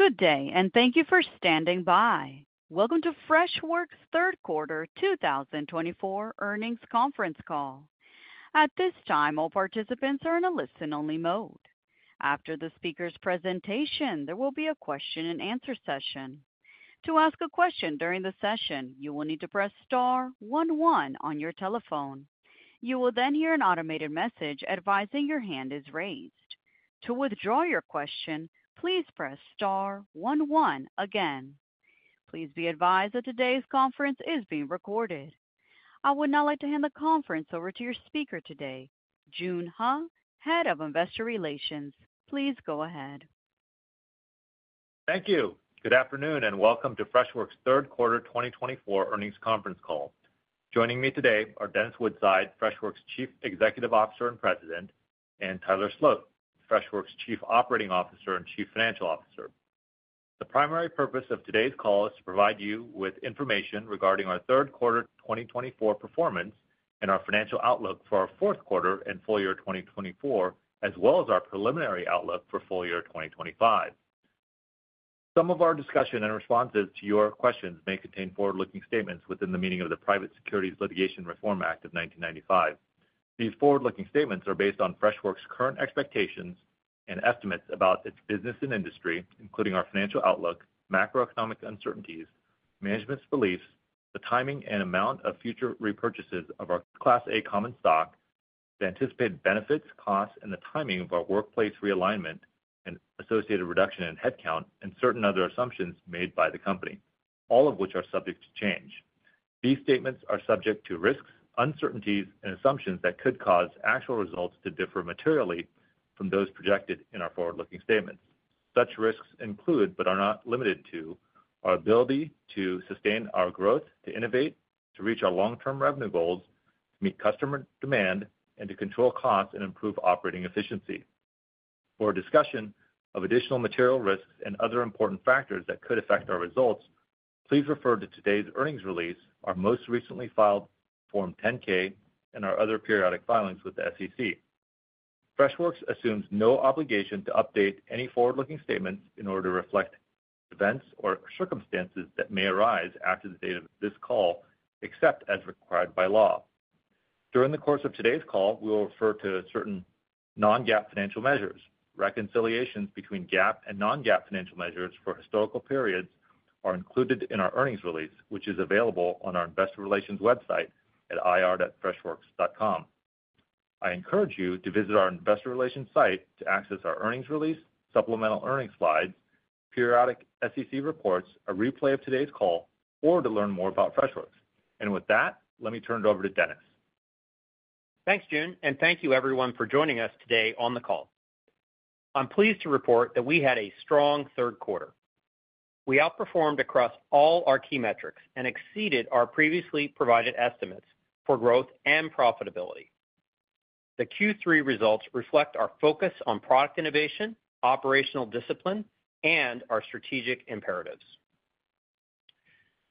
Good day, and thank you for standing by. Welcome to Freshworks' Third Quarter 2024 earnings conference call. At this time, all participants are in a listen-only mode. After the speaker's presentation, there will be a question-and-answer session. To ask a question during the session, you will need to press star one-one on your telephone. You will then hear an automated message advising your hand is raised. To withdraw your question, please press star one-one again. Please be advised that today's conference is being recorded. I would now like to hand the conference over to your speaker today, Joon Huh, Head of Investor Relations. Please go ahead. Thank you. Good afternoon, and welcome to Freshworks Third Quarter 2024 earnings conference call. Joining me today are Dennis Woodside, Freshworks Chief Executive Officer and President, and Tyler Sloat, Freshworks Chief Operating Officer and Chief Financial Officer. The primary purpose of today's call is to provide you with information regarding our Third Quarter 2024 performance and our financial outlook for our Fourth Quarter and full year 2024, as well as our preliminary outlook for full year 2025. Some of our discussion and responses to your questions may contain forward-looking statements within the meaning of the Private Securities Litigation Reform Act of 1995. These forward-looking statements are based on Freshworks current expectations and estimates about its business and industry, including our financial outlook, macroeconomic uncertainties, management's beliefs, the timing and amount of future repurchases of our Class A common stock, the anticipated benefits, costs, and the timing of our workplace realignment and associated reduction in headcount, and certain other assumptions made by the company, all of which are subject to change. These statements are subject to risks, uncertainties, and assumptions that could cause actual results to differ materially from those projected in our forward-looking statements. Such risks include, but are not limited to, our ability to sustain our growth, to innovate, to reach our long-term revenue goals, to meet customer demand, and to control costs and improve operating efficiency. For discussion of additional material risks and other important factors that could affect our results, please refer to today's earnings release, our most recently filed Form 10-K, and our other periodic filings with the SEC. Freshworks assumes no obligation to update any forward-looking statements in order to reflect events or circumstances that may arise after the date of this call, except as required by law. During the course of today's call, we will refer to certain non-GAAP financial measures. Reconciliations between GAAP and non-GAAP financial measures for historical periods are included in our earnings release, which is available on our Investor Relations website at ir.freshworks.com. I encourage you to visit our Investor Relations site to access our earnings release, supplemental earnings slides, periodic SEC reports, a replay of today's call, or to learn more about Freshworks. And with that, let me turn it over to Dennis. Thanks, Joon, and thank you, everyone, for joining us today on the call. I'm pleased to report that we had a strong third quarter. We outperformed across all our key metrics and exceeded our previously provided estimates for growth and profitability. The Q3 results reflect our focus on product innovation, operational discipline, and our strategic imperatives.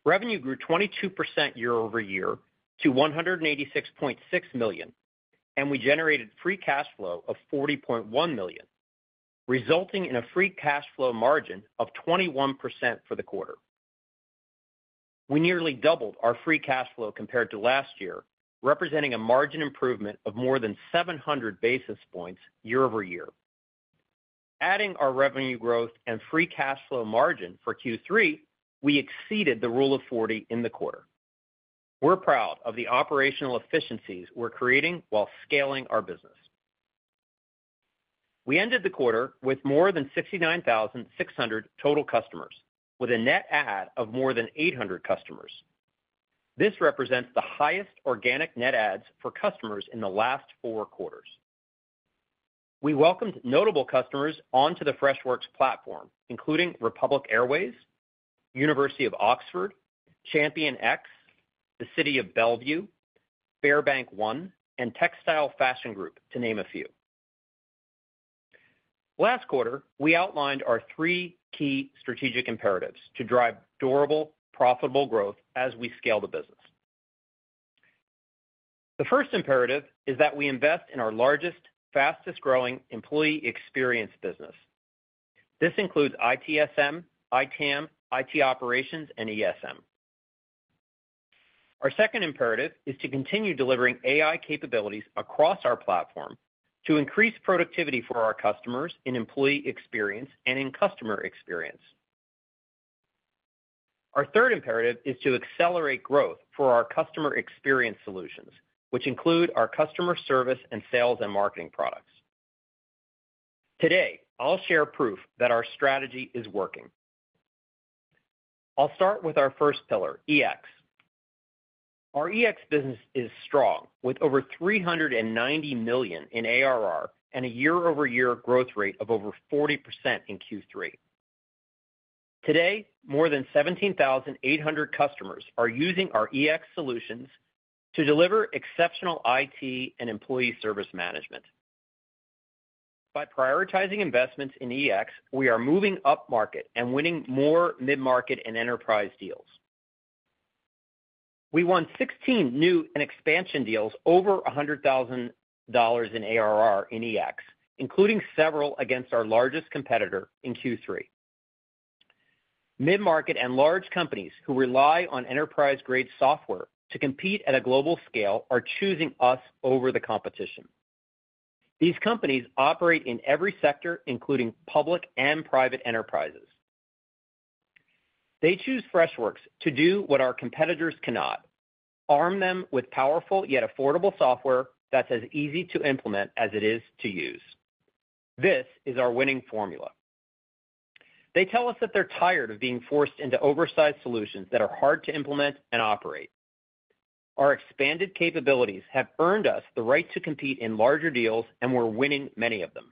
Revenue grew 22% year over year to $186.6 million, and we generated free cash flow of $40.1 million, resulting in a free cash flow margin of 21% for the quarter. We nearly doubled our free cash flow compared to last year, representing a margin improvement of more than 700 basis points year over year. Adding our revenue growth and free cash flow margin for Q3, we exceeded the Rule of 40 in the quarter. We're proud of the operational efficiencies we're creating while scaling our business. We ended the quarter with more than 69,600 total customers, with a net add of more than 800 customers. This represents the highest organic net adds for customers in the last four quarters. We welcomed notable customers onto the Freshworks platform, including Republic Airways, University of Oxford, ChampionX, the City of Bellevue, Sparebank1, and Textile Fashion Group, to name a few. Last quarter, we outlined our three key strategic imperatives to drive durable, profitable growth as we scale the business. The first imperative is that we invest in our largest, fastest-growing employee experience business. This includes ITSM, ITAM, IT Operations, and ESM. Our second imperative is to continue delivering AI capabilities across our platform to increase productivity for our customers in employee experience and in customer experience. Our third imperative is to accelerate growth for our customer experience solutions, which include our customer service and sales and marketing products. Today, I'll share proof that our strategy is working. I'll start with our first pillar, EX. Our EX business is strong, with over $390 million in ARR and a year-over-year growth rate of over 40% in Q3. Today, more than 17,800 customers are using our EX solutions to deliver exceptional IT and employee service management. By prioritizing investments in EX, we are moving up market and winning more mid-market and enterprise deals. We won 16 new and expansion deals over $100,000 in ARR in EX, including several against our largest competitor in Q3. Mid-market and large companies who rely on enterprise-grade software to compete at a global scale are choosing us over the competition. These companies operate in every sector, including public and private enterprises. They choose Freshworks to do what our competitors cannot: arm them with powerful yet affordable software that's as easy to implement as it is to use. This is our winning formula. They tell us that they're tired of being forced into oversized solutions that are hard to implement and operate. Our expanded capabilities have earned us the right to compete in larger deals, and we're winning many of them.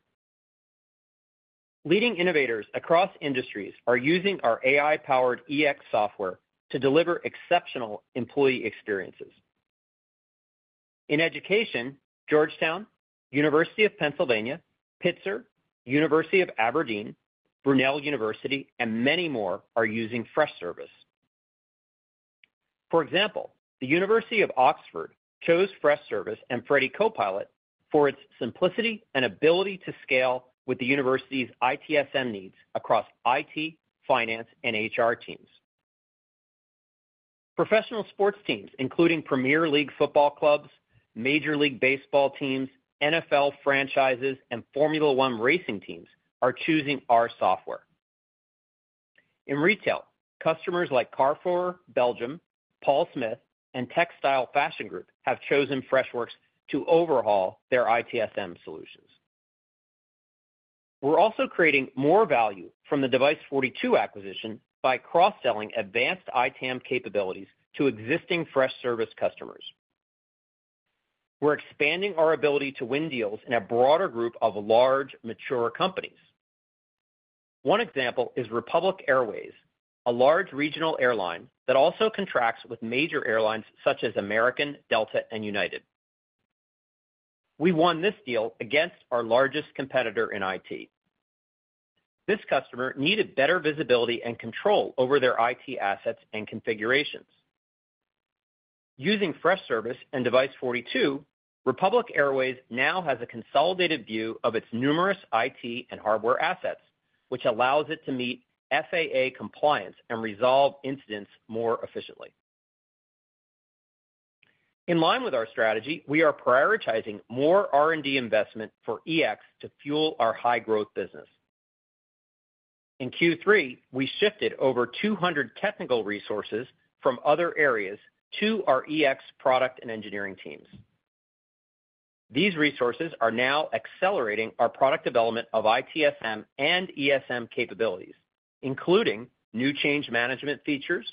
Leading innovators across industries are using our AI-powered EX software to deliver exceptional employee experiences. In education, Georgetown, University of Pennsylvania, Pitzer, University of Aberdeen, Brunel University, and many more are using Freshservice. For example, the University of Oxford chose Freshservice and Freddy Copilot for its simplicity and ability to scale with the university's ITSM needs across IT, finance, and HR teams. Professional sports teams, including Premier League football clubs, Major League Baseball teams, NFL franchises, and Formula One racing teams, are choosing our software. In retail, customers like Carrefour Belgium, Paul Smith, and Textile Fashion Group have chosen Freshworks to overhaul their ITSM solutions. We're also creating more value from the Device42 acquisition by cross-selling advanced ITAM capabilities to existing Freshservice customers. We're expanding our ability to win deals in a broader group of large, mature companies. One example is Republic Airways, a large regional airline that also contracts with major airlines such as American, Delta, and United. We won this deal against our largest competitor in IT. This customer needed better visibility and control over their IT assets and configurations. Using Freshservice and Device42, Republic Airways now has a consolidated view of its numerous IT and hardware assets, which allows it to meet FAA compliance and resolve incidents more efficiently. In line with our strategy, we are prioritizing more R&D investment for EX to fuel our high-growth business. In Q3, we shifted over 200 technical resources from other areas to our EX product and engineering teams. These resources are now accelerating our product development of ITSM and ESM capabilities, including new change management features,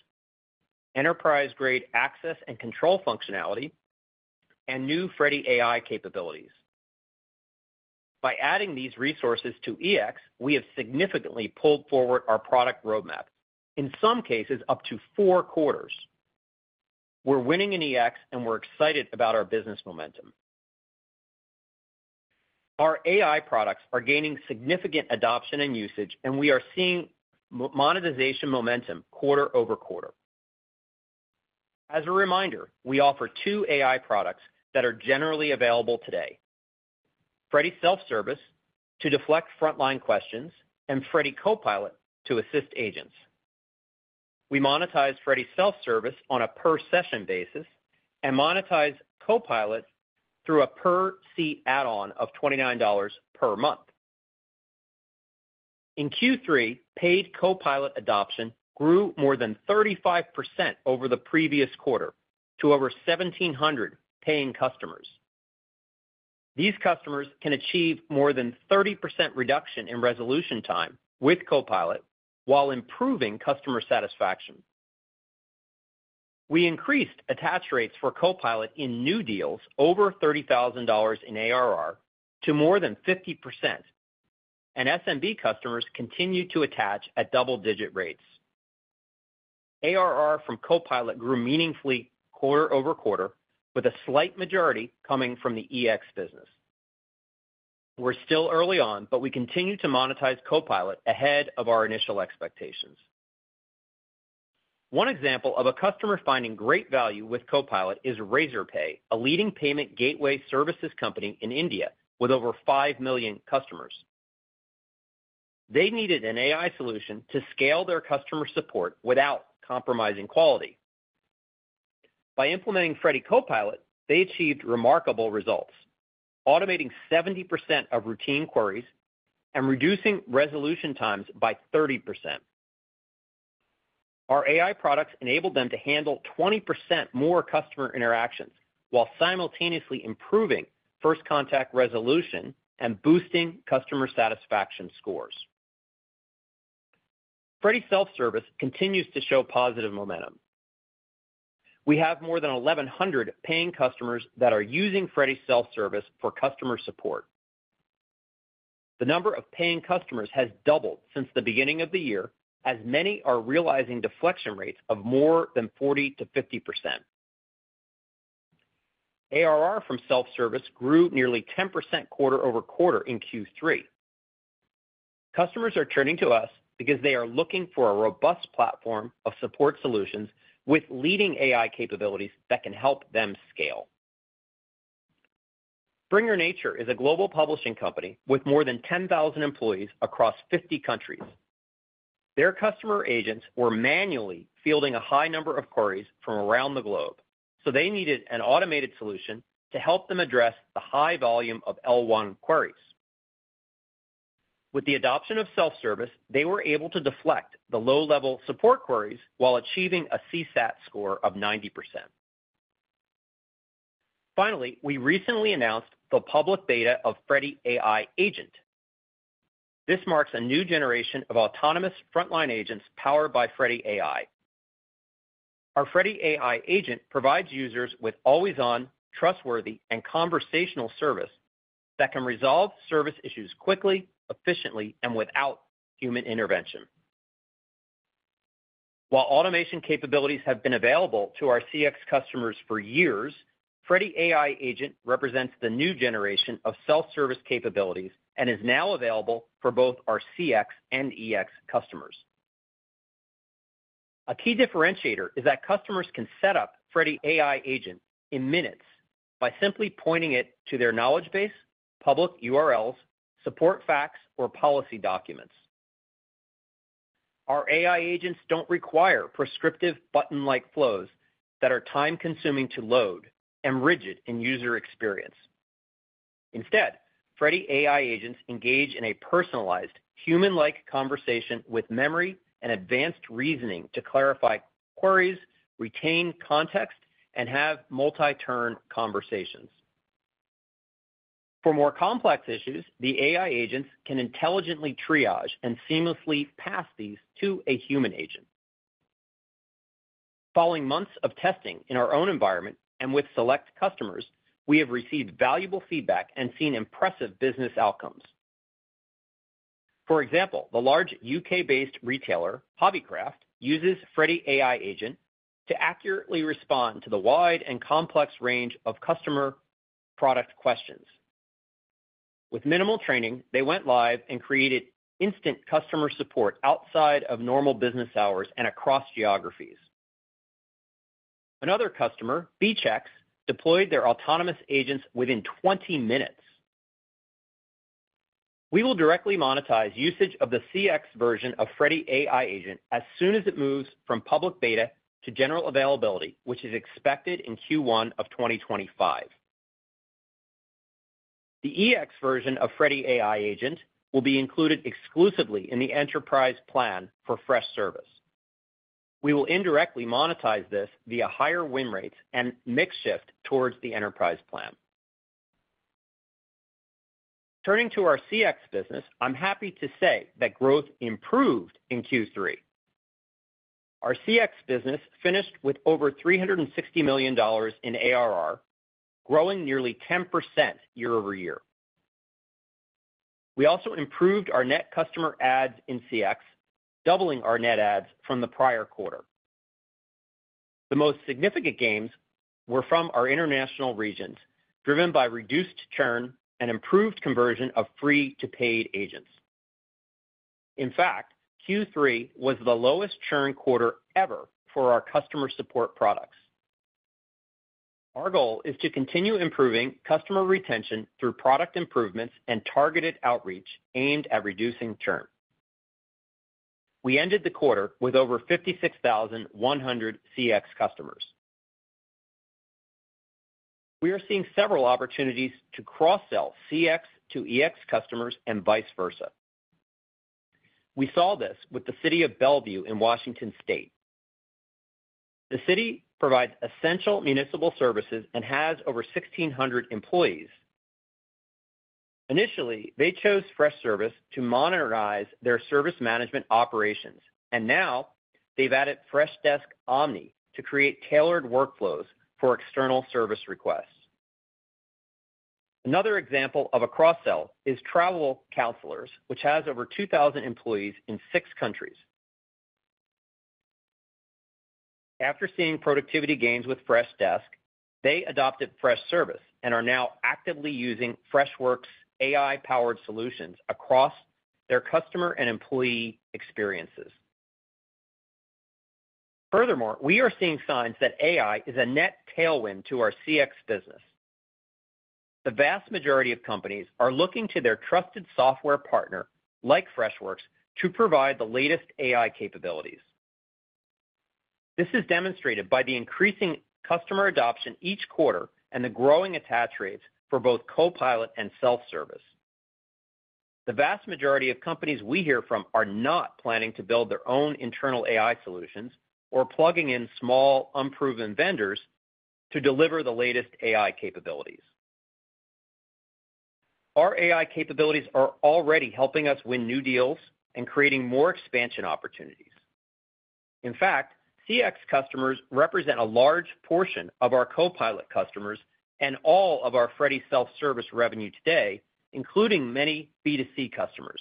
enterprise-grade access and control functionality, and new Freddy AI capabilities. By adding these resources to EX, we have significantly pulled forward our product roadmap, in some cases up to four quarters. We're winning in EX, and we're excited about our business momentum. Our AI products are gaining significant adoption and usage, and we are seeing monetization momentum quarter over quarter. As a reminder, we offer two AI products that are generally available today: Freddy Self-Service to deflect frontline questions and Freddy Copilot to assist agents. We monetize Freddy Self-Service on a per-session basis and monetize Copilot through a per-seat add-on of $29 per month. In Q3, paid Copilot adoption grew more than 35% over the previous quarter to over 1,700 paying customers. These customers can achieve more than 30% reduction in resolution time with Copilot while improving customer satisfaction. We increased attach rates for Copilot in new deals over $30,000 in ARR to more than 50%, and SMB customers continue to attach at double-digit rates. ARR from Copilot grew meaningfully quarter over quarter, with a slight majority coming from the EX business. We're still early on, but we continue to monetize Copilot ahead of our initial expectations. One example of a customer finding great value with Copilot is Razorpay, a leading payment gateway services company in India with over five million customers. They needed an AI solution to scale their customer support without compromising quality. By implementing Freddy Copilot, they achieved remarkable results, automating 70% of routine queries and reducing resolution times by 30%. Our AI products enabled them to handle 20% more customer interactions while simultaneously improving first-contact resolution and boosting customer satisfaction scores. Freddy Self-Service continues to show positive momentum. We have more than 1,100 paying customers that are using Freddy Self-Service for customer support. The number of paying customers has doubled since the beginning of the year, as many are realizing deflection rates of more than 40% to 50%. ARR from Self-Service grew nearly 10% quarter over quarter in Q3. Customers are turning to us because they are looking for a robust platform of support solutions with leading AI capabilities that can help them scale. Springer Nature is a global publishing company with more than 10,000 employees across 50 countries. Their customer agents were manually fielding a high number of queries from around the globe, so they needed an automated solution to help them address the high volume of L1 queries. With the adoption of Self-Service, they were able to deflect the low-level support queries while achieving a CSAT score of 90%. Finally, we recently announced the public beta of Freddy AI Agent. This marks a new generation of autonomous frontline agents powered by Freddy AI. Our Freddy AI Agent provides users with always-on, trustworthy, and conversational service that can resolve service issues quickly, efficiently, and without human intervention. While automation capabilities have been available to our CX customers for years, Freddy AI Agent represents the new generation of Self-Service capabilities and is now available for both our CX and EX customers. A key differentiator is that customers can set up Freddy AI Agent in minutes by simply pointing it to their knowledge base, public URLs, support facts, or policy documents. Our AI Agents don't require prescriptive button-like flows that are time-consuming to load and rigid in user experience. Instead, Freddy AI Agents engage in a personalized, human-like conversation with memory and advanced reasoning to clarify queries, retain context, and have multi-turn conversations. For more complex issues, the AI Agents can intelligently triage and seamlessly pass these to a human agent. Following months of testing in our own environment and with select customers, we have received valuable feedback and seen impressive business outcomes. For example, the large UK-based retailer Hobbycraft uses Freddy AI Agent to accurately respond to the wide and complex range of customer product questions. With minimal training, they went live and created instant customer support outside of normal business hours and across geographies. Another customer, Bchex, deployed their autonomous agents within 20 minutes. We will directly monetize usage of the CX version of Freddy AI Agent as soon as it moves from public beta to general availability, which is expected in Q1 of 2025. The EX version of Freddy AI Agent will be included exclusively in the enterprise plan for Freshservice. We will indirectly monetize this via higher win rates and mix shift towards the enterprise plan. Turning to our CX business, I'm happy to say that growth improved in Q3. Our CX business finished with over $360 million in ARR, growing nearly 10% year-over-year. We also improved our net customer adds in CX, doubling our net adds from the prior quarter. The most significant gains were from our international regions, driven by reduced churn and improved conversion of free-to-paid agents. In fact, Q3 was the lowest churn quarter ever for our customer support products. Our goal is to continue improving customer retention through product improvements and targeted outreach aimed at reducing churn. We ended the quarter with over 56,100 CX customers. We are seeing several opportunities to cross-sell CX to EX customers and vice versa. We saw this with the City of Bellevue in Washington State. The city provides essential municipal services and has over 1,600 employees. Initially, they chose Freshservice to monetize their service management operations, and now they've added Freshdesk Omni to create tailored workflows for external service requests. Another example of a cross-sell is Travel Counsellors, which has over 2,000 employees in six countries. After seeing productivity gains with Freshdesk, they adopted Freshservice and are now actively using Freshworks' AI-powered solutions across their customer and employee experiences. Furthermore, we are seeing signs that AI is a net tailwind to our CX business. The vast majority of companies are looking to their trusted software partner, like Freshworks, to provide the latest AI capabilities. This is demonstrated by the increasing customer adoption each quarter and the growing attach rates for both Copilot and Self-Service. The vast majority of companies we hear from are not planning to build their own internal AI solutions or plugging in small, unproven vendors to deliver the latest AI capabilities. Our AI capabilities are already helping us win new deals and creating more expansion opportunities. In fact, CX customers represent a large portion of our Copilot customers and all of our Freddy Self-Service revenue today, including many B2C customers.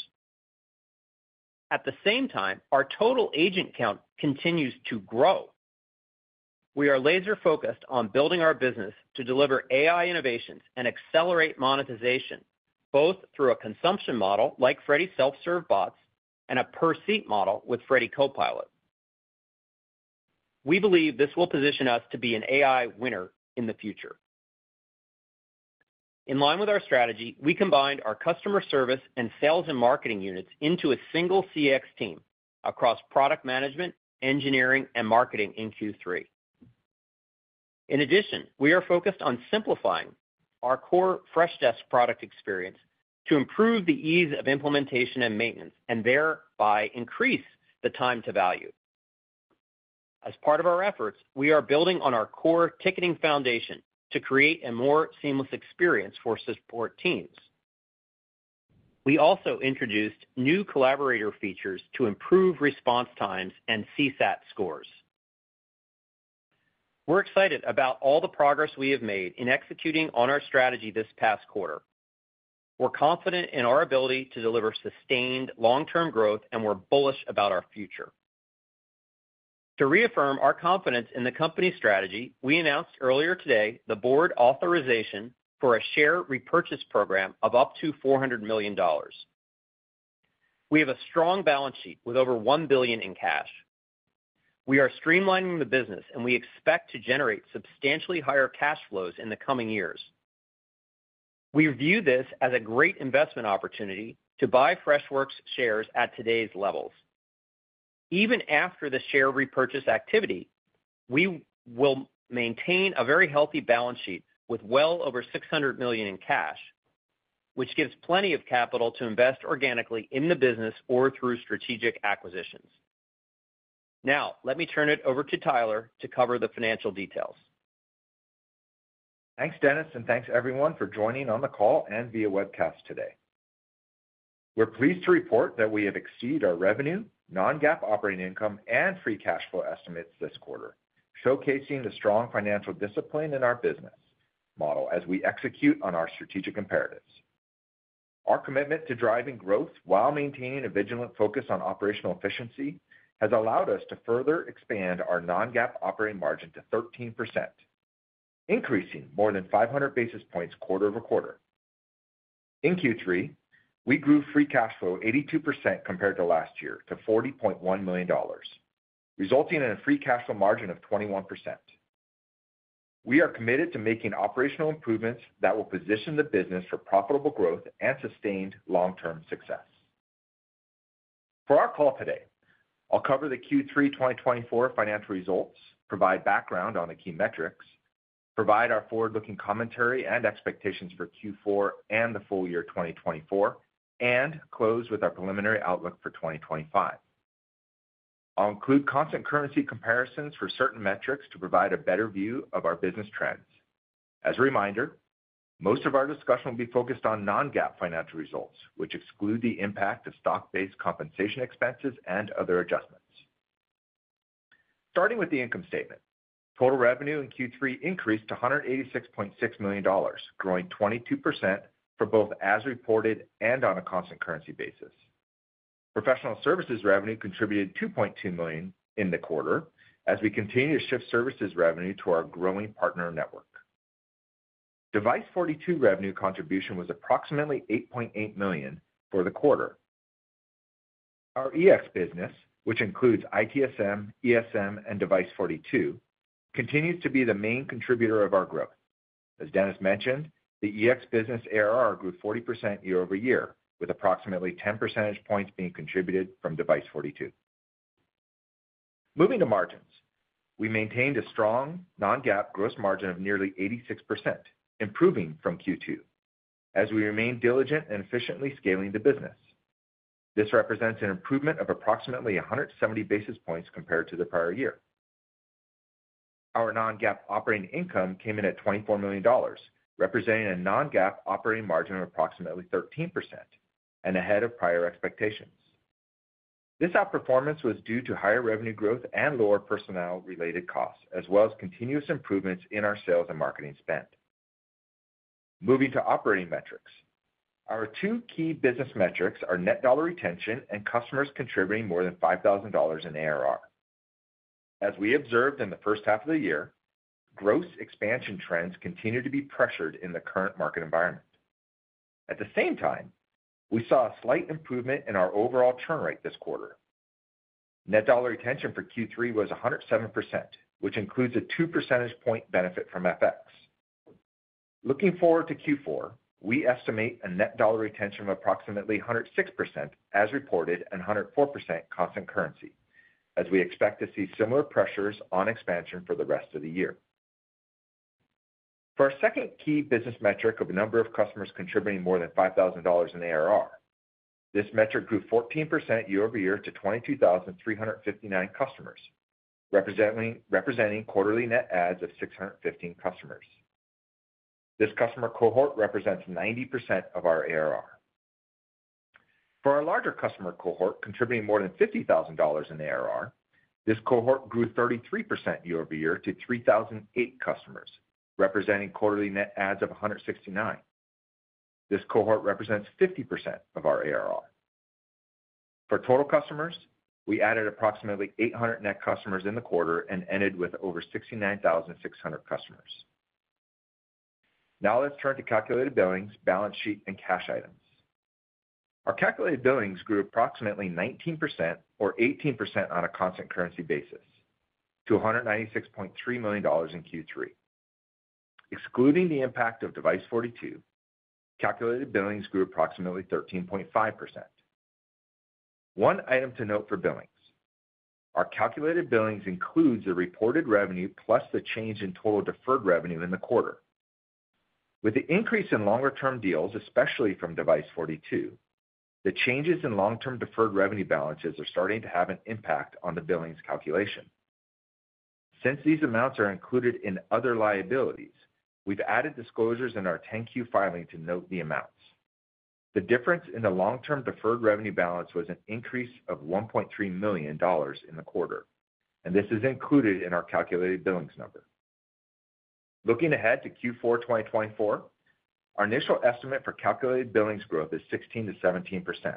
At the same time, our total agent count continues to grow. We are laser-focused on building our business to deliver AI innovations and accelerate monetization, both through a consumption model like Freddy Self-Service and a per-seat model with Freddy Copilot. We believe this will position us to be an AI winner in the future. In line with our strategy, we combined our customer service and sales and marketing units into a single CX team across product management, engineering, and marketing in Q3. In addition, we are focused on simplifying our core Freshdesk product experience to improve the ease of implementation and maintenance, and thereby increase the time to value. As part of our efforts, we are building on our core ticketing foundation to create a more seamless experience for support teams. We also introduced new collaborator features to improve response times and CSAT scores. We're excited about all the progress we have made in executing on our strategy this past quarter. We're confident in our ability to deliver sustained long-term growth, and we're bullish about our future. To reaffirm our confidence in the company's strategy, we announced earlier today the board authorization for a share repurchase program of up to $400 million. We have a strong balance sheet with over $1 billion in cash. We are streamlining the business, and we expect to generate substantially higher cash flows in the coming years. We view this as a great investment opportunity to buy Freshworks shares at today's levels. Even after the share repurchase activity, we will maintain a very healthy balance sheet with well over $600 million in cash, which gives plenty of capital to invest organically in the business or through strategic acquisitions. Now, let me turn it over to Tyler to cover the financial details. Thanks, Dennis, and thanks everyone for joining on the call and via webcast today. We're pleased to report that we have exceeded our revenue, non-GAAP operating income, and free cash flow estimates this quarter, showcasing the strong financial discipline in our business model as we execute on our strategic imperatives. Our commitment to driving growth while maintaining a vigilant focus on operational efficiency has allowed us to further expand our non-GAAP operating margin to 13%, increasing more than 500 basis points quarter over quarter. In Q3, we grew free cash flow 82% compared to last year to $40.1 million, resulting in a free cash flow margin of 21%. We are committed to making operational improvements that will position the business for profitable growth and sustained long-term success. For our call today, I'll cover the Q3 2024 financial results, provide background on the key metrics, provide our forward-looking commentary and expectations for Q4 and the full year 2024, and close with our preliminary outlook for 2025. I'll include constant currency comparisons for certain metrics to provide a better view of our business trends. As a reminder, most of our discussion will be focused on non-GAAP financial results, which exclude the impact of stock-based compensation expenses and other adjustments. Starting with the income statement, total revenue in Q3 increased to $186.6 million, growing 22% for both as reported and on a constant currency basis. Professional services revenue contributed $2.2 million in the quarter as we continue to shift services revenue to our growing partner network. Device42 revenue contribution was approximately $8.8 million for the quarter. Our EX business, which includes ITSM, ESM, and Device42, continues to be the main contributor of our growth. As Dennis mentioned, the EX business ARR grew 40% year-over-year, with approximately 10 percentage points being contributed from Device42. Moving to margins, we maintained a strong non-GAAP gross margin of nearly 86%, improving from Q2, as we remain diligent and efficiently scaling the business. This represents an improvement of approximately 170 basis points compared to the prior year. Our non-GAAP operating income came in at $24 million, representing a non-GAAP operating margin of approximately 13% and ahead of prior expectations. This outperformance was due to higher revenue growth and lower personnel-related costs, as well as continuous improvements in our sales and marketing spend. Moving to operating metrics, our two key business metrics are net dollar retention and customers contributing more than $5,000 in ARR. As we observed in the first half of the year, gross expansion trends continue to be pressured in the current market environment. At the same time, we saw a slight improvement in our overall churn rate this quarter. Net dollar retention for Q3 was 107%, which includes a two percentage point benefit from FX. Looking forward to Q4, we estimate a net dollar retention of approximately 106% as reported and 104% constant currency, as we expect to see similar pressures on expansion for the rest of the year. For our second key business metric of a number of customers contributing more than $5,000 in ARR, this metric grew 14% year-over-year to 22,359 customers, representing quarterly net adds of 615 customers. This customer cohort represents 90% of our ARR. For our larger customer cohort contributing more than $50,000 in ARR, this cohort grew 33% year-over-year to 3,008 customers, representing quarterly net adds of 169. This cohort represents 50% of our ARR. For total customers, we added approximately 800 net customers in the quarter and ended with over 69,600 customers. Now let's turn to calculated billings, balance sheet, and cash items. Our calculated billings grew approximately 19% or 18% on a constant currency basis to $196.3 million in Q3. Excluding the impact of Device42, calculated billings grew approximately 13.5%. One item to note for billings: our calculated billings includes the reported revenue plus the change in total deferred revenue in the quarter. With the increase in longer-term deals, especially from Device42, the changes in long-term deferred revenue balances are starting to have an impact on the billings calculation. Since these amounts are included in other liabilities, we've added disclosures in our 10-Q filing to note the amounts. The difference in the long-term deferred revenue balance was an increase of $1.3 million in the quarter, and this is included in our calculated billings number. Looking ahead to Q4 2024, our initial estimate for calculated billings growth is 16%-17%.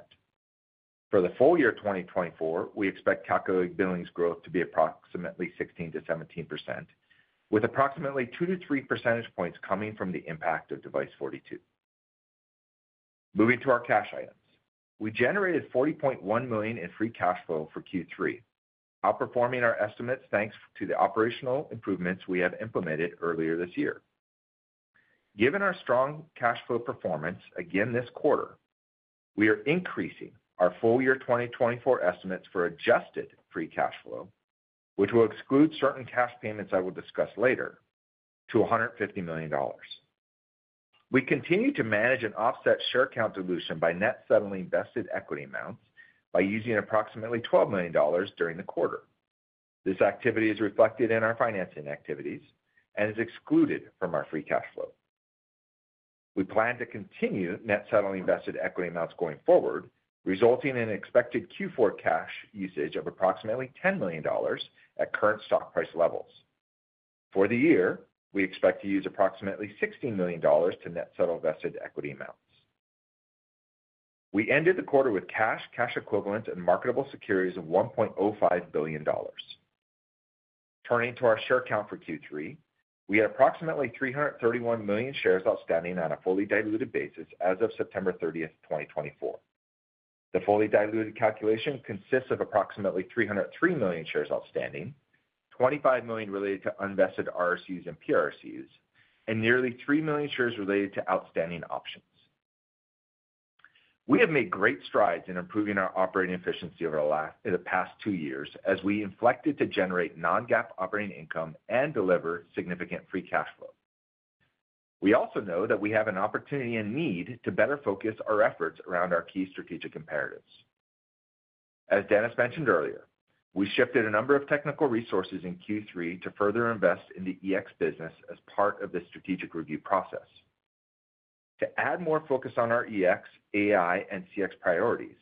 For the full year 2024, we expect calculated billings growth to be approximately 16%-17%, with approximately 2 to 3 percentage points coming from the impact of Device42. Moving to our cash items, we generated $40.1 million in free cash flow for Q3, outperforming our estimates thanks to the operational improvements we have implemented earlier this year. Given our strong cash flow performance again this quarter, we are increasing our full year 2024 estimates for adjusted free cash flow, which will exclude certain cash payments I will discuss later, to $150 million. We continue to manage and offset share count dilution by net settlement of vested equity amounts by using approximately $12 million during the quarter. This activity is reflected in our financing activities and is excluded from our free cash flow. We plan to continue net settlement of vested equity amounts going forward, resulting in expected Q4 cash usage of approximately $10 million at current stock price levels. For the year, we expect to use approximately $16 million to net settlement of vested equity amounts. We ended the quarter with cash, cash equivalents, and marketable securities of $1.05 billion. Turning to our share count for Q3, we had approximately 331 million shares outstanding on a fully diluted basis as of September 30, 2024. The fully diluted calculation consists of approximately 303 million shares outstanding, 25 million related to unvested RSUs and PRSUs, and nearly 3 million shares related to outstanding options. We have made great strides in improving our operating efficiency over the past two years as we inflected to generate non-GAAP operating income and deliver significant free cash flow. We also know that we have an opportunity and need to better focus our efforts around our key strategic imperatives. As Dennis mentioned earlier, we shifted a number of technical resources in Q3 to further invest in the EX business as part of the strategic review process. To add more focus on our EX, AI, and CX priorities,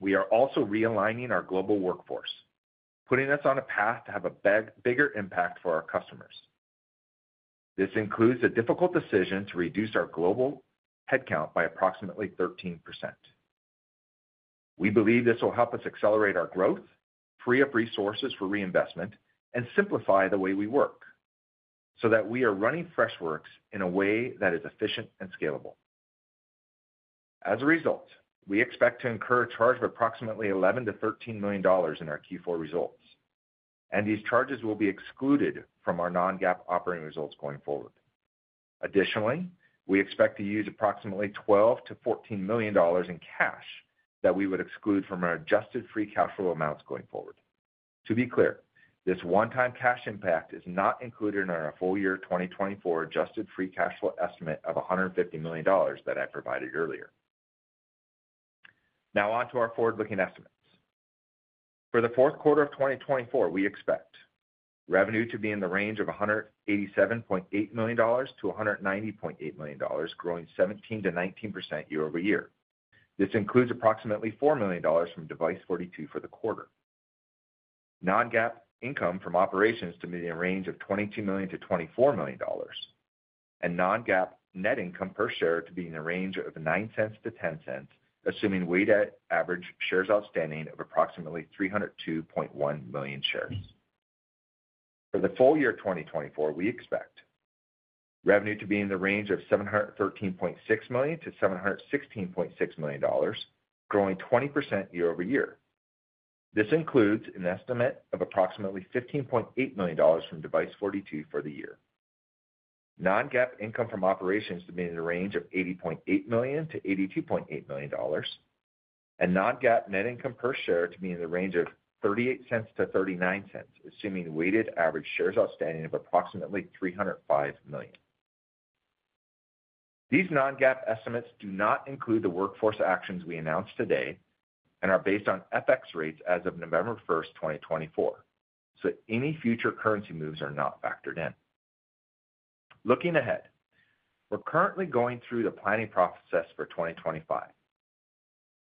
we are also realigning our global workforce, putting us on a path to have a bigger impact for our customers. This includes a difficult decision to reduce our global headcount by approximately 13%. We believe this will help us accelerate our growth, free up resources for reinvestment, and simplify the way we work so that we are running Freshworks in a way that is efficient and scalable. As a result, we expect to incur a charge of approximately $11-$13 million in our Q4 results, and these charges will be excluded from our non-GAAP operating results going forward. Additionally, we expect to use approximately $12-$14 million in cash that we would exclude from our adjusted free cash flow amounts going forward. To be clear, this one-time cash impact is not included in our full year 2024 adjusted free cash flow estimate of $150 million that I provided earlier. Now on to our forward-looking estimates. For the fourth quarter of 2024, we expect revenue to be in the range of $187.8 million-$190.8 million, growing 17%-19% year-over-year. This includes approximately $4 million from Device42 for the quarter, non-GAAP income from operations to be in the range of $22 million-$24 million, and non-GAAP net income per share to be in the range of $0.09-$0.10, assuming weighted average shares outstanding of approximately 302.1 million shares. For the full year 2024, we expect revenue to be in the range of $713.6 million-$716.6 million, growing 20% year-over-year. This includes an estimate of approximately $15.8 million from Device42 for the year, non-GAAP income from operations to be in the range of $80.8 million-$82.8 million, and non-GAAP net income per share to be in the range of $0.38-$0.39, assuming weighted average shares outstanding of approximately $305 million. These non-GAAP estimates do not include the workforce actions we announced today and are based on FX rates as of November 1, 2024, so any future currency moves are not factored in. Looking ahead, we're currently going through the planning process for 2025.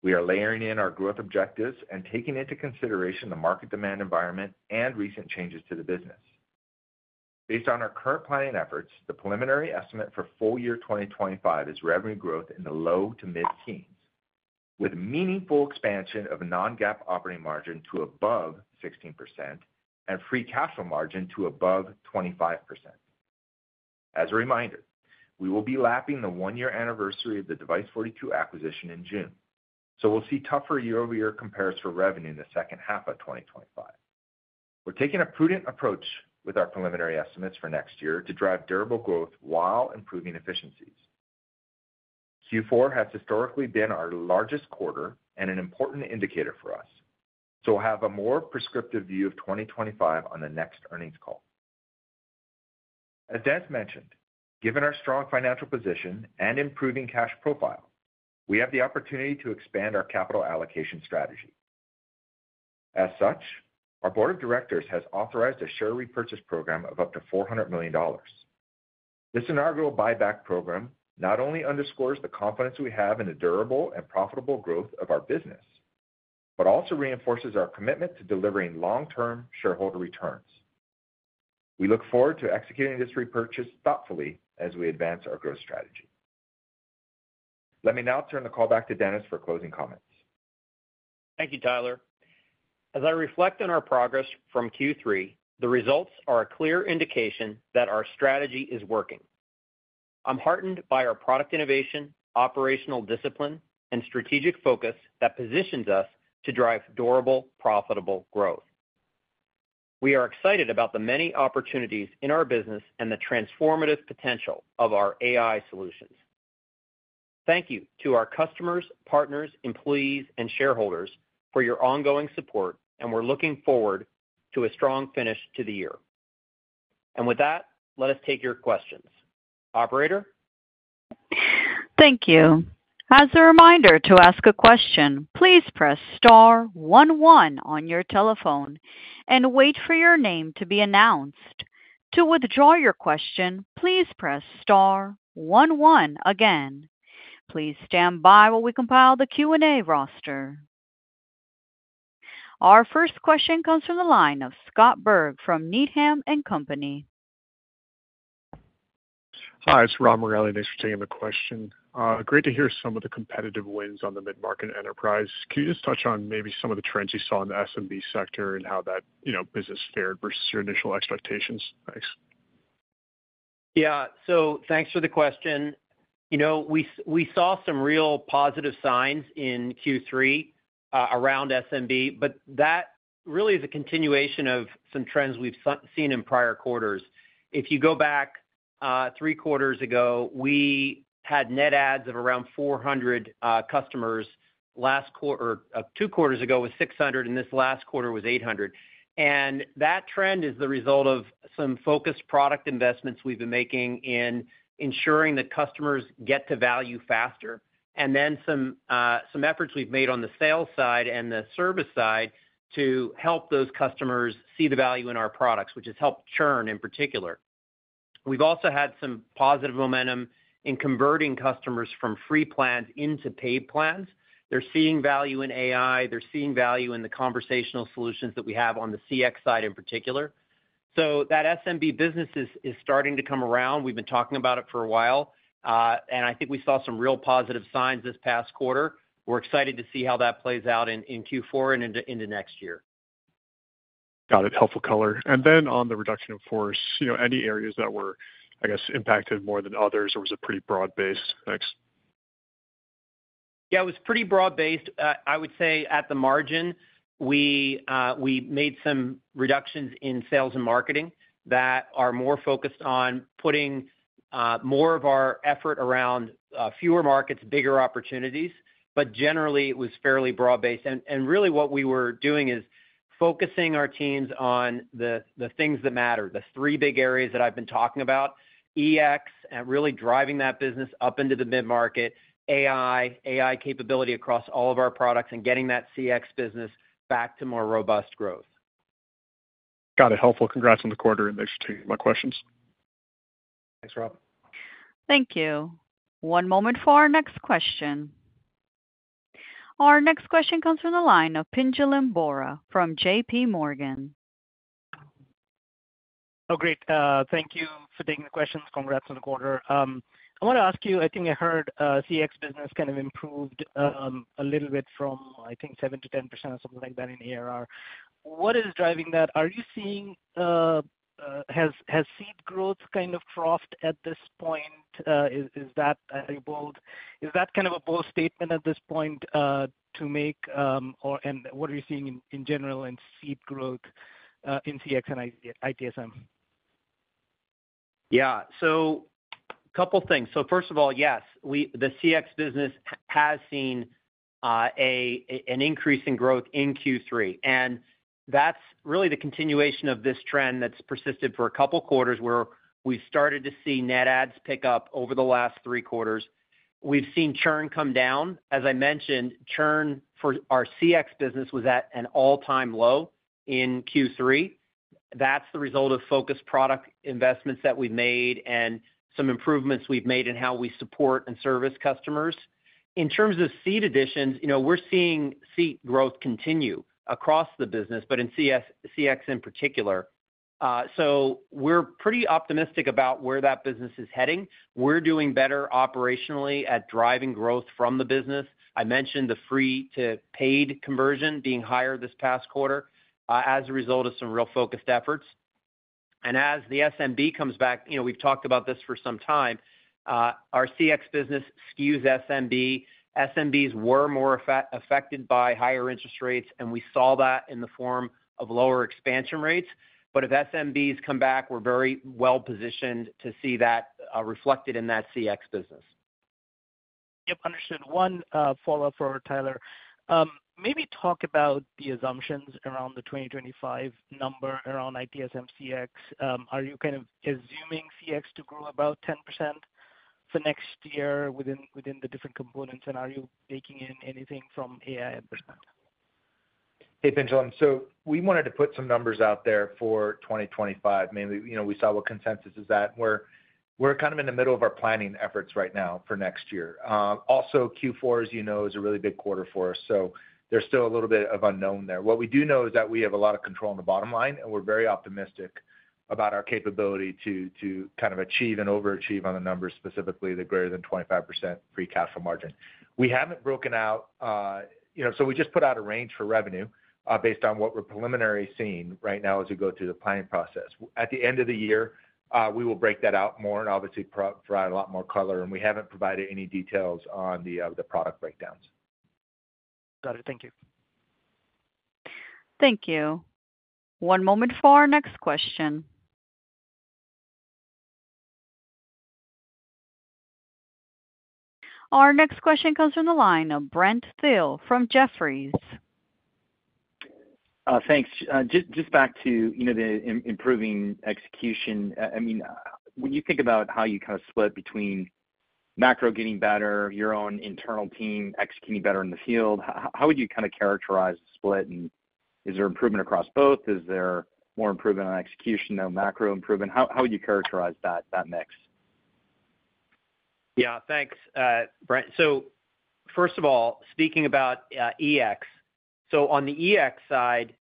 We are layering in our growth objectives and taking into consideration the market demand environment and recent changes to the business. Based on our current planning efforts, the preliminary estimate for full year 2025 is revenue growth in the low- to mid-teens, with meaningful expansion of non-GAAP operating margin to above 16% and free cash flow margin to above 25%. As a reminder, we will be lapping the one-year anniversary of the Device42 acquisition in June, so we'll see tougher year-over-year comparison for revenue in the second half of 2025. We're taking a prudent approach with our preliminary estimates for next year to drive durable growth while improving efficiencies. Q4 has historically been our largest quarter and an important indicator for us, so we'll have a more prescriptive view of 2025 on the next earnings call. As Dennis mentioned, given our strong financial position and improving cash profile, we have the opportunity to expand our capital allocation strategy. As such, our Board of Directors has authorized a share repurchase program of up to $400 million. This inaugural buyback program not only underscores the confidence we have in the durable and profitable growth of our business but also reinforces our commitment to delivering long-term shareholder returns. We look forward to executing this repurchase thoughtfully as we advance our growth strategy. Let me now turn the call back to Dennis for closing comments. Thank you, Tyler. As I reflect on our progress from Q3, the results are a clear indication that our strategy is working. I'm heartened by our product innovation, operational discipline, and strategic focus that positions us to drive durable, profitable growth. We are excited about the many opportunities in our business and the transformative potential of our AI solutions. Thank you to our customers, partners, employees, and shareholders for your ongoing support, and we're looking forward to a strong finish to the year, and with that, let us take your questions. Operator? Thank you. As a reminder to ask a question, please press star one-one on your telephone and wait for your name to be announced. To withdraw your question, please press star one-one again. Please stand by while we compile the Q&A roster. Our first question comes from the line of Scott Berg from Needham & Company. Hi, it's Rob Morelli. Thanks for taking the question. Great to hear some of the competitive wins on the mid-market enterprise. Can you just touch on maybe some of the trends you saw in the SMB sector and how that business fared versus your initial expectations? Thanks. Yeah. So thanks for the question. You know, we saw some real positive signs in Q3 around SMB, but that really is a continuation of some trends we've seen in prior quarters. If you go back three quarters ago, we had net ads of around 400 customers. Last quarter or two quarters ago was 600, and this last quarter was 800. And that trend is the result of some focused product investments we've been making in ensuring that customers get to value faster, and then some efforts we've made on the sales side and the service side to help those customers see the value in our products, which has helped churn in particular. We've also had some positive momentum in converting customers from free plans into paid plans. They're seeing value in AI. They're seeing value in the conversational solutions that we have on the CX side in particular. So that SMB business is starting to come around. We've been talking about it for a while, and I think we saw some real positive signs this past quarter. We're excited to see how that plays out in Q4 and into next year. Got it. Helpful color. And then on the reduction of force, any areas that were, I guess, impacted more than others, or was it pretty broad-based? Thanks. Yeah, it was pretty broad-based. I would say at the margin, we made some reductions in sales and marketing that are more focused on putting more of our effort around fewer markets, bigger opportunities. But generally, it was fairly broad-based. And really what we were doing is focusing our teams on the things that matter, the three big areas that I've been talking about: EX and really driving that business up into the mid-market, AI, AI capability across all of our products, and getting that CX business back to more robust growth. Got it. Helpful. Congrats on the quarter. And thanks for taking my questions. Thanks, Rob. Thank you. One moment for our next question. Our next question comes from the line of Pinjalim Bora from J.P. Morgan. Oh, great. Thank you for taking the questions. Congrats on the quarter. I want to ask you, I think I heard CX business kind of improved a little bit from, I think, 7%-10% or something like that in ARR. What is driving that? Are you seeing has CX growth kind of troughed at this point? Is that kind of a bold statement at this point to make? And what are you seeing in general in seat growth in CX and ITSM? Yeah. So a couple of things. So first of all, yes, the CX business has seen an increase in growth in Q3. And that's really the continuation of this trend that's persisted for a couple of quarters where we've started to see net adds pick up over the last three quarters. We've seen Churn come down. As I mentioned, Churn for our CX business was at an all-time low in Q3. That's the result of focused product investments that we've made and some improvements we've made in how we support and service customers. In terms of seat additions, we're seeing seat growth continue across the business, but in CX in particular. So we're pretty optimistic about where that business is heading. We're doing better operationally at driving growth from the business. I mentioned the free-to-paid conversion being higher this past quarter as a result of some real focused efforts. And as the SMB comes back, we've talked about this for some time. Our CX business skews SMB. SMBs were more affected by higher interest rates, and we saw that in the form of lower expansion rates. But if SMBs come back, we're very well-positioned to see that reflected in that CX business. Yep. Understood. One follow-up for Tyler. Maybe talk about the assumptions around the 2025 number around ITSM CX. Are you kind of assuming CX to grow about 10% for next year within the different components, and are you taking in anything from AI and business? Hey, Pinjalim. So we wanted to put some numbers out there for 2025. We saw what consensus is at, and we're kind of in the middle of our planning efforts right now for next year. Also, Q4, as you know, is a really big quarter for us, so there's still a little bit of unknown there. What we do know is that we have a lot of control on the bottom line, and we're very optimistic about our capability to kind of achieve and overachieve on the numbers, specifically the greater than 25% free cash flow margin. We haven't broken out. So we just put out a range for revenue based on what we're preliminary seeing right now as we go through the planning process. At the end of the year, we will break that out more and obviously provide a lot more color, and we haven't provided any details on the product breakdowns. Got it. Thank you. Thank you. One moment for our next question. Our next question comes from the line of Brent Thill from Jefferies. Thanks. Just back to the improving execution. I mean, when you think about how you kind of split between macro getting better, your own internal team executing better in the field, how would you kind of characterize the split? And is there improvement across both? Is there more improvement on execution, no macro improvement? How would you characterize that mix? Yeah. Thanks, Brent. So first of all, speaking about EX, so on the EX side,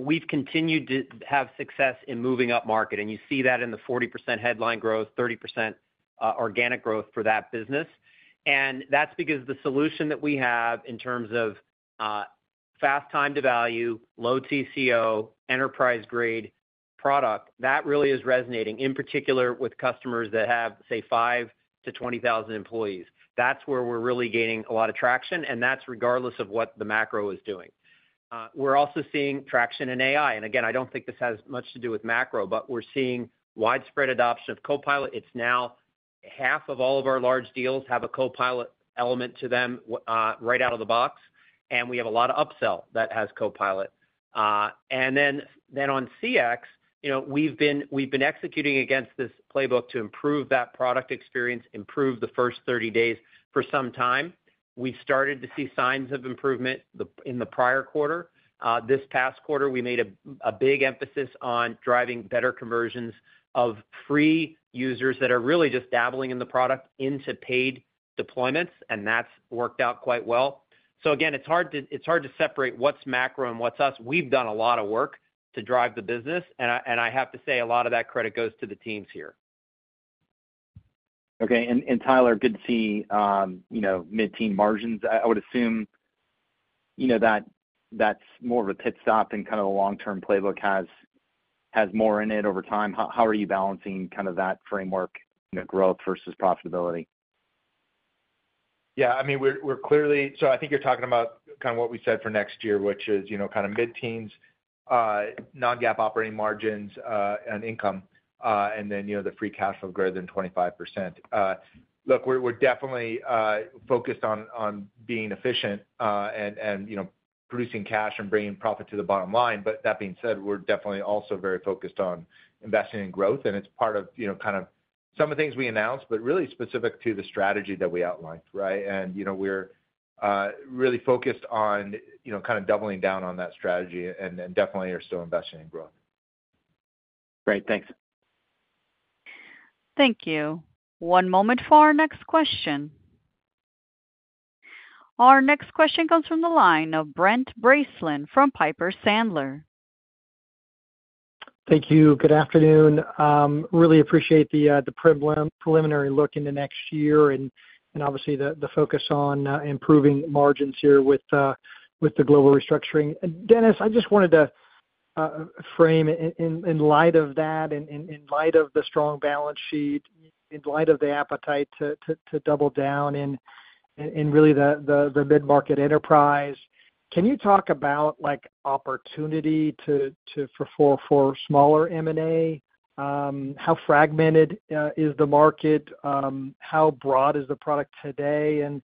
we've continued to have success in moving up market, and you see that in the 40% headline growth, 30% organic growth for that business. And that's because the solution that we have in terms of fast time to value, low TCO, enterprise-grade product, that really is resonating in particular with customers that have, say, 5,000-20,000 employees. That's where we're really gaining a lot of traction, and that's regardless of what the macro is doing. We're also seeing traction in AI. And again, I don't think this has much to do with macro, but we're seeing widespread adoption of Copilot. It's now half of all of our large deals have a Copilot element to them right out of the box, and we have a lot of upsell that has Copilot. And then on CX, we've been executing against this playbook to improve that product experience, improve the first 30 days for some time. We've started to see signs of improvement in the prior quarter. This past quarter, we made a big emphasis on driving better conversions of free users that are really just dabbling in the product into paid deployments, and that's worked out quite well. So again, it's hard to separate what's macro and what's us. We've done a lot of work to drive the business, and I have to say a lot of that credit goes to the teams here. Okay. And Tyler, good to see mid-teens margins. I would assume that that's more of a pit stop, and kind of the long-term playbook has more in it over time. How are you balancing kind of that framework, growth versus profitability? Yeah. I mean, we're clearly—so I think you're talking about kind of what we said for next year, which is kind of mid-teens, non-GAAP operating margins, and income, and then the free cash flow of greater than 25%. Look, we're definitely focused on being efficient and producing cash and bringing profit to the bottom line. But that being said, we're definitely also very focused on investing in growth, and it's part of kind of some of the things we announced, but really specific to the strategy that we outlined, right? And we're really focused on kind of doubling down on that strategy and definitely are still investing in growth. Great. Thanks. Thank you. One moment for our next question. Our next question comes from the line of Brent Bracelin from Piper Sandler. Thank you. Good afternoon. Really appreciate the preliminary look into next year and obviously the focus on improving margins here with the global restructuring. Dennis, I just wanted to frame in light of that, in light of the strong balance sheet, in light of the appetite to double down in really the mid-market enterprise. Can you talk about opportunity for smaller M&A? How fragmented is the market? How broad is the product today in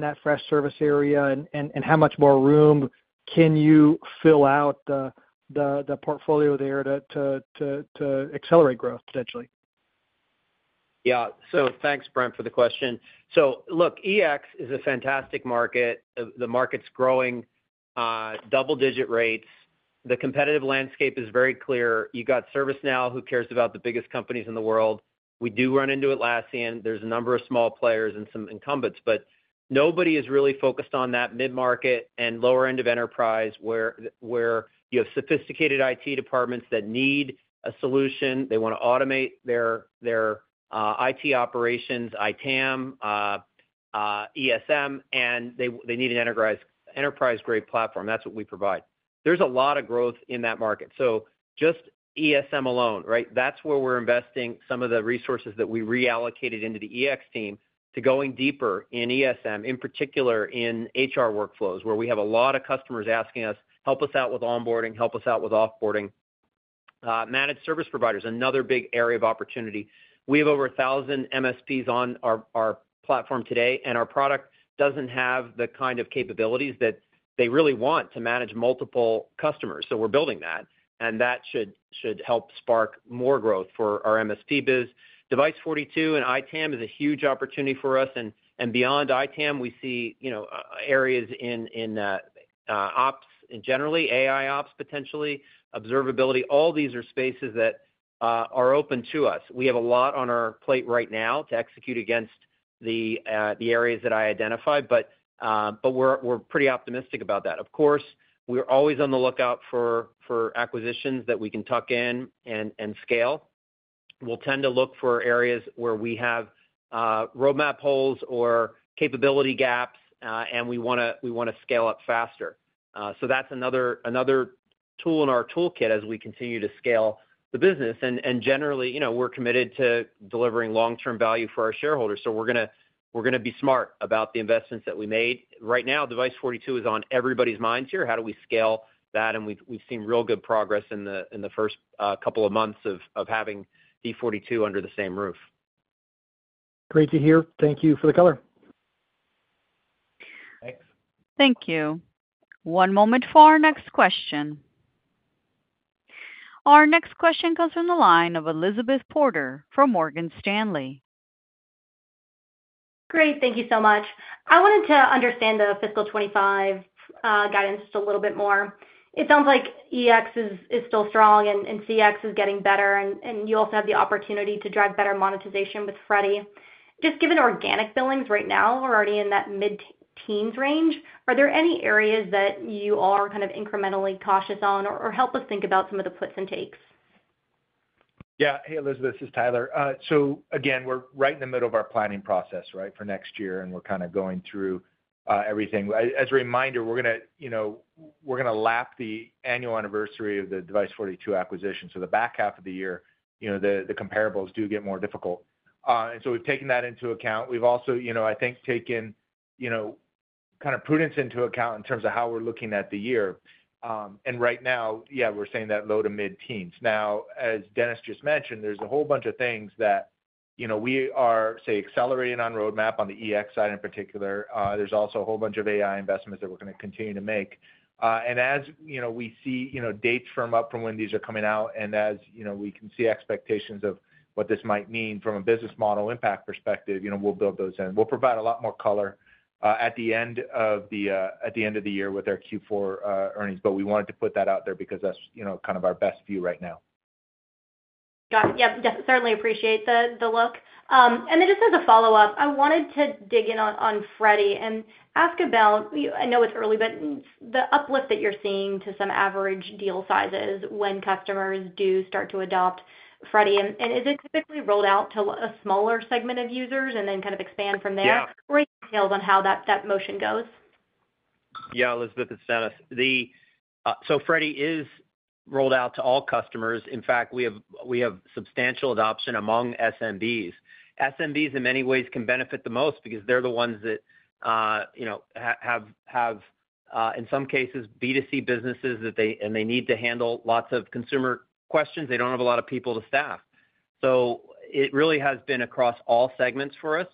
that Freshservice area, and how much more room can you fill out the portfolio there to accelerate growth potentially? Yeah. So thanks, Brent, for the question. So look, EX is a fantastic market. The market's growing double-digit rates. The competitive landscape is very clear. You've got ServiceNow who cares about the biggest companies in the world. We do run into Atlassian. There's a number of small players and some incumbents, but nobody is really focused on that mid-market and lower-end of enterprise where you have sophisticated IT departments that need a solution. They want to automate their IT operations, ITAM, ESM, and they need an enterprise-grade platform. That's what we provide. There's a lot of growth in that market. So just ESM alone, right? That's where we're investing some of the resources that we reallocated into the EX team to going deeper in ESM, in particular in HR workflows where we have a lot of customers asking us, "Help us out with onboarding. Help us out with offboarding." Managed service providers, another big area of opportunity. We have over 1,000 MSPs on our platform today, and our product doesn't have the kind of capabilities that they really want to manage multiple customers. So we're building that, and that should help spark more growth for our MSP biz. Device42 and ITAM is a huge opportunity for us. And beyond ITAM, we see areas in ops and generally AI ops potentially, observability. All these are spaces that are open to us. We have a lot on our plate right now to execute against the areas that I identified, but we're pretty optimistic about that. Of course, we're always on the lookout for acquisitions that we can tuck in and scale. We'll tend to look for areas where we have roadmap holes or capability gaps, and we want to scale up faster. So that's another tool in our toolkit as we continue to scale the business. And generally, we're committed to delivering long-term value for our shareholders. So we're going to be smart about the investments that we made. Right now, Device42 is on everybody's minds here. How do we scale that? And we've seen real good progress in the first couple of months of having D42 under the same roof. Great to hear. Thank you for the color. Thank you. One moment for our next question. Our next question comes from the line of Elizabeth Porter from Morgan Stanley. Great. Thank you so much. I wanted to understand the fiscal 25 guidance just a little bit more. It sounds like EX is still strong and CX is getting better, and you also have the opportunity to drive better monetization with Freddy. Just given organic billings right now, we're already in that mid-teens range. Are there any areas that you all are kind of incrementally cautious on or help us think about some of the puts and takes? Yeah. Hey, Elizabeth. This is Tyler, so again, we're right in the middle of our planning process, right, for next year, and we're kind of going through everything. As a reminder, we're going to lap the annual anniversary of the Device42 acquisition. So the back half of the year, the comparables do get more difficult, and so we've taken that into account. We've also, I think, taken kind of prudence into account in terms of how we're looking at the year. And right now, yeah, we're saying that low to mid-teens. Now, as Dennis just mentioned, there's a whole bunch of things that we are, say, accelerating on roadmap on the EX side in particular. There's also a whole bunch of AI investments that we're going to continue to make. And as we see dates firm up from when these are coming out, and as we can see expectations of what this might mean from a business model impact perspective, we'll build those in. We'll provide a lot more color at the end of the year with our Q4 earnings, but we wanted to put that out there because that's kind of our best view right now. Got it. Yep. Certainly appreciate the look. And then just as a follow-up, I wanted to dig in on Freddy and ask about, I know it's early, but the uplift that you're seeing to some average deal sizes when customers do start to adopt Freddy. And is it typically rolled out to a smaller segment of users and then kind of expand from there? Yeah. Or any details on how that motion goes? Yeah, Elizabeth, it's Dennis. So Freddy is rolled out to all customers. In fact, we have substantial adoption among SMBs. SMBs in many ways can benefit the most because they're the ones that have, in some cases, B2C businesses, and they need to handle lots of consumer questions. They don't have a lot of people to staff. So it really has been across all segments for us.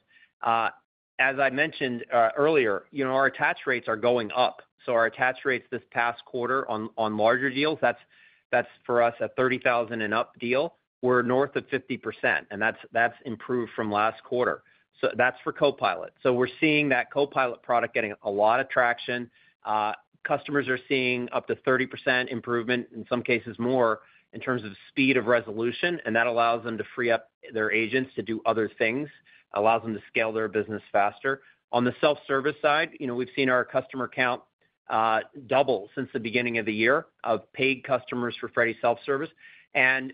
As I mentioned earlier, our attach rates are going up. So our attach rates this past quarter on larger deals, that's for us a $30,000 and up deal. We're north of 50%, and that's improved from last quarter. So that's for Copilot. So we're seeing that Copilot product getting a lot of traction. Customers are seeing up to 30% improvement, in some cases more, in terms of speed of resolution, and that allows them to free up their agents to do other things, allows them to scale their business faster. On the self-service side, we've seen our customer count double since the beginning of the year of paid customers for Freddy Self-Service. And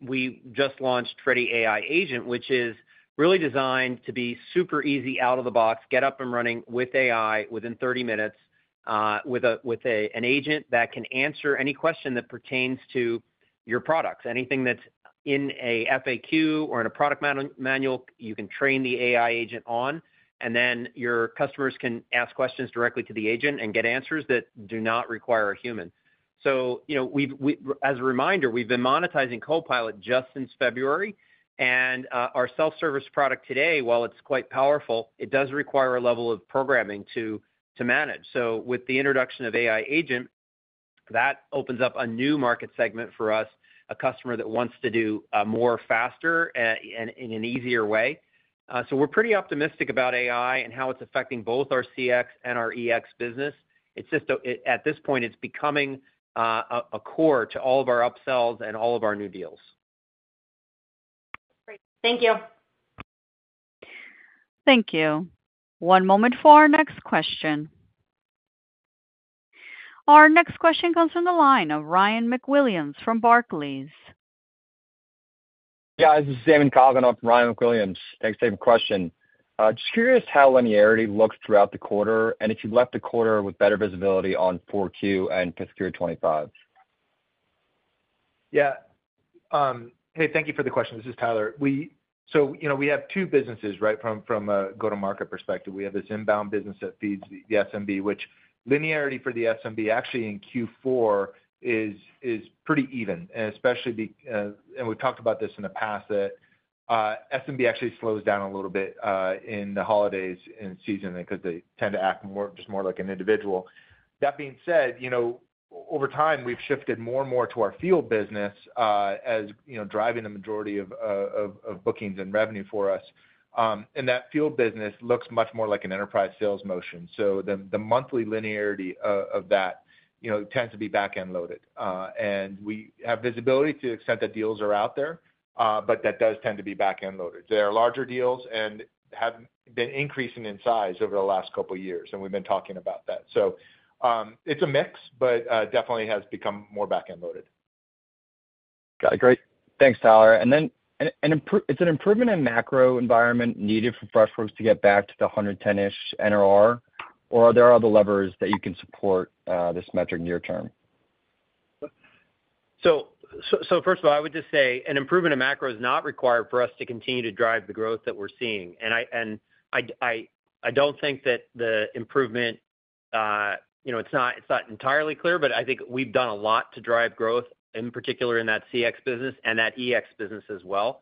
we just launched Freddy AI Agent, which is really designed to be super easy out of the box, get up and running with AI within 30 minutes with an agent that can answer any question that pertains to your products. Anything that's in an FAQ or in a product manual, you can train the AI agent on, and then your customers can ask questions directly to the agent and get answers that do not require a human, so as a reminder, we've been monetizing Copilot just since February, and our self-service product today, while it's quite powerful, it does require a level of programming to manage, so with the introduction of AI Agent, that opens up a new market segment for us, a customer that wants to do more faster in an easier way, so we're pretty optimistic about AI and how it's affecting both our CX and our EX business. At this point, it's becoming a core to all of our upsells and all of our new deals. Great. Thank you. Thank you. One moment for our next question. Our next question comes from the line of Ryan McWilliams from Barclays. Yeah. This is Eamon calling for Ryan McWilliams. Thanks for the question. Just curious how linearity looks throughout the quarter and if you left the quarter with better visibility on Q4 and FY 2025? Yeah. Hey, thank you for the question. This is Tyler. So we have two businesses, right, from a go-to-market perspective. We have this inbound business that feeds the SMB, which linearity for the SMB actually in Q4 is pretty even. And we've talked about this in the past that SMB actually slows down a little bit in the holidays and season because they tend to act just more like an individual. That being said, over time, we've shifted more and more to our field business as driving the majority of bookings and revenue for us. That field business looks much more like an enterprise sales motion. So the monthly linearity of that tends to be back-end loaded. And we have visibility to the extent that deals are out there, but that does tend to be back-end loaded. They are larger deals and have been increasing in size over the last couple of years, and we've been talking about that. So it's a mix, but definitely has become more back-end loaded. Got it. Great. Thanks, Tyler. And then it's an improvement in macro environment needed for Freshworks to get back to the 110-ish NRR, or are there other levers that you can support this metric near-term? So first of all, I would just say an improvement in macro is not required for us to continue to drive the growth that we're seeing. And I don't think that the improvement. It's not entirely clear, but I think we've done a lot to drive growth, in particular in that CX business and that EX business as well.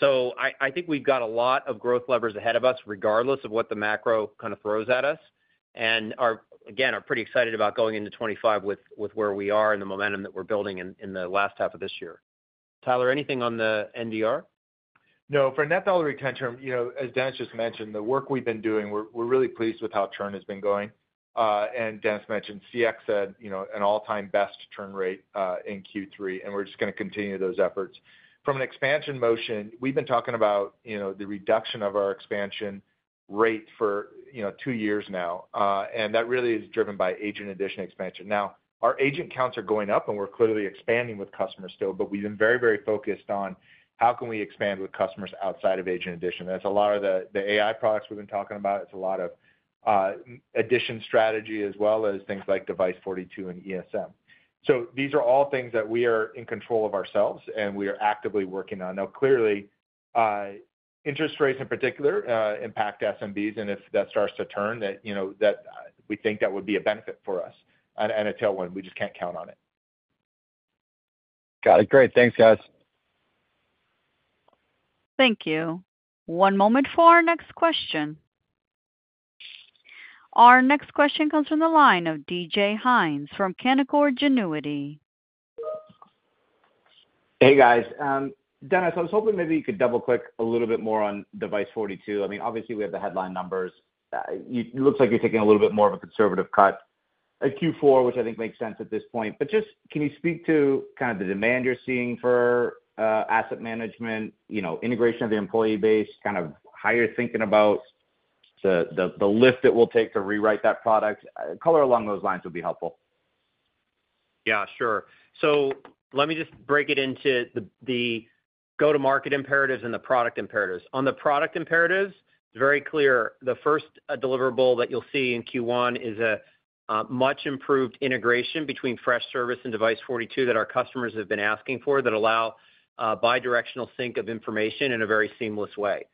So I think we've got a lot of growth levers ahead of us regardless of what the macro kind of throws at us. And again, we're pretty excited about going into 2025 with where we are and the momentum that we're building in the last half of this year. Tyler, anything on the NDR? No. For net dollar retention, as Dennis just mentioned, the work we've been doing, we're really pleased with how churn has been going. And Dennis mentioned CX had an all-time best churn rate in Q3, and we're just going to continue those efforts. From an expansion motion, we've been talking about the reduction of our expansion rate for two years now, and that really is driven by agent addition expansion. Now, our agent counts are going up, and we're clearly expanding with customers still, but we've been very, very focused on how can we expand with customers outside of agent addition. That's a lot of the AI products we've been talking about. It's a lot of addition strategy as well as things like Device42 and ESM. So these are all things that we are in control of ourselves and we are actively working on. Now, clearly, interest rates in particular impact SMBs, and if that starts to turn, we think that would be a benefit for us and a tailwind. We just can't count on it. Got it. Great. Thanks, guys. Thank you. One moment for our next question. Our next question comes from the line of David Hynes from Canaccord Genuity. Hey, guys. Dennis, I was hoping maybe you could double-click a little bit more on Device42. I mean, obviously, we have the headline numbers. It looks like you're taking a little bit more of a conservative cut at Q4, which I think makes sense at this point. But just can you speak to kind of the demand you're seeing for asset management, integration of the employee base, kind of how you're thinking about the lift it will take to rewrite that product? Color along those lines would be helpful. Yeah, sure. So let me just break it into the go-to-market imperatives and the product imperatives. On the product imperatives, it's very clear. The first deliverable that you'll see in Q1 is a much-improved integration between Freshservice and Device42 that our customers have been asking for that allow bidirectional sync of information in a very seamless way.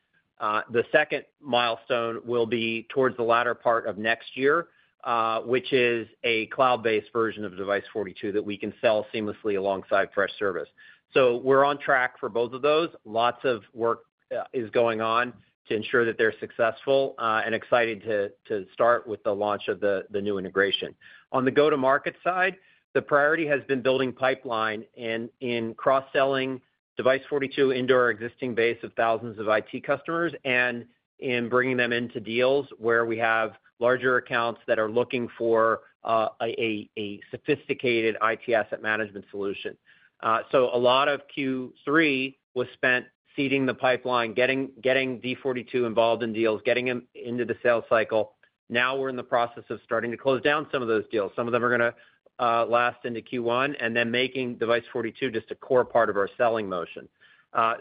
The second milestone will be towards the latter part of next year, which is a cloud-based version of Device42 that we can sell seamlessly alongside Freshservice. So we're on track for both of those. Lots of work is going on to ensure that they're successful and excited to start with the launch of the new integration. On the go-to-market side, the priority has been building pipeline in cross-selling Device42 into our existing base of thousands of IT customers and in bringing them into deals where we have larger accounts that are looking for a sophisticated IT asset management solution. So a lot of Q3 was spent seeding the pipeline, getting D42 involved in deals, getting them into the sales cycle. Now we're in the process of starting to close down some of those deals. Some of them are going to last into Q1 and then making Device42 just a core part of our selling motion.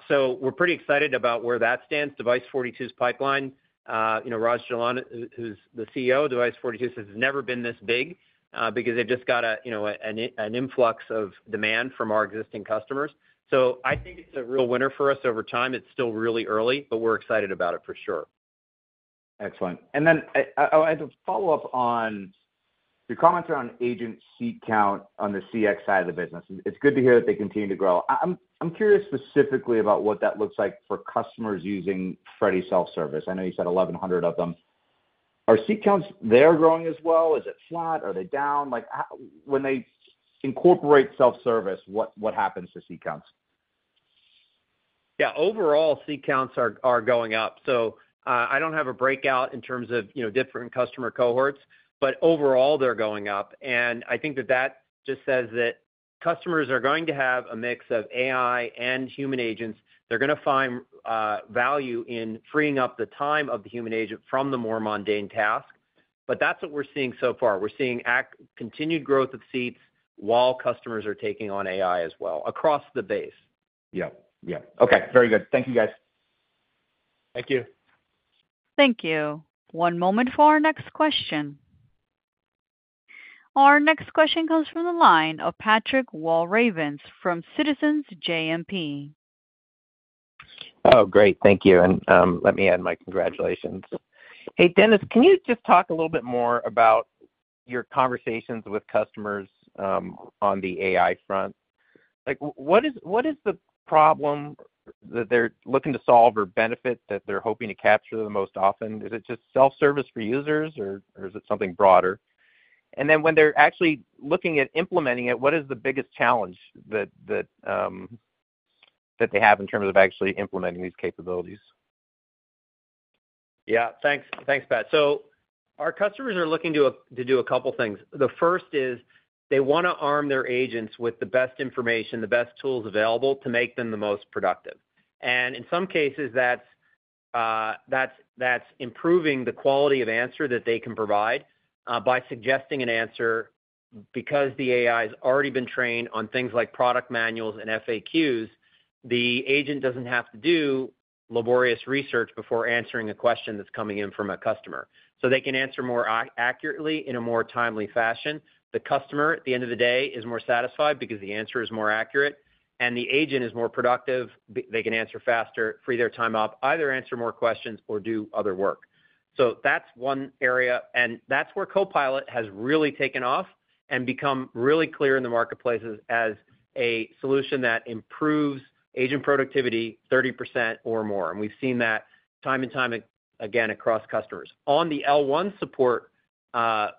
So we're pretty excited about where that stands. Device42's pipeline, Raj Jalan, who's the CEO of Device42, says it's never been this big because they've just got an influx of demand from our existing customers. So I think it's a real winner for us over time. It's still really early, but we're excited about it for sure. Excellent. And then I have a follow-up on your comments around agent seat count on the CX side of the business. It's good to hear that they continue to grow. I'm curious specifically about what that looks like for customers using Freddy Self-Service. I know you said 1,100 of them. Are seat counts there growing as well? Is it flat? Are they down? When they incorporate Self-Service, what happens to seat counts? Yeah. Overall, seat counts are going up. So I don't have a breakout in terms of different customer cohorts, but overall, they're going up. And I think that that just says that customers are going to have a mix of AI and human agents. They're going to find value in freeing up the time of the human agent from the more mundane task. But that's what we're seeing so far. We're seeing continued growth of seats while customers are taking on AI as well across the base. Yep. Yep. Okay. Very good. Thank you, guys. Thank you. Thank you. One moment for our next question. Our next question comes from the line of Pat Walravens from Citizens JMP. Oh, great. Thank you. And let me add my congratulations. Hey, Dennis, can you just talk a little bit more about your conversations with customers on the AI front? What is the problem that they're looking to solve or benefit that they're hoping to capture the most often? Is it just self-service for users, or is it something broader? And then when they're actually looking at implementing it, what is the biggest challenge that they have in terms of actually implementing these capabilities? Yeah. Thanks, Pat. So our customers are looking to do a couple of things. The first is they want to arm their agents with the best information, the best tools available to make them the most productive. In some cases, that's improving the quality of answer that they can provide by suggesting an answer because the AI has already been trained on things like product manuals and FAQs. The agent doesn't have to do laborious research before answering a question that's coming in from a customer. So they can answer more accurately in a more timely fashion. The customer, at the end of the day, is more satisfied because the answer is more accurate, and the agent is more productive. They can answer faster, free their time up, either answer more questions or do other work. So that's one area, and that's where Copilot has really taken off and become really clear in the marketplaces as a solution that improves agent productivity 30% or more. And we've seen that time and time again across customers. On the L1 support task,